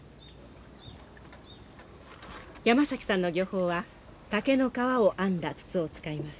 山崎さんの漁法は竹の皮を編んだ筒を使います。